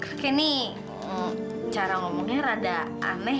liat terus lo omongan kakek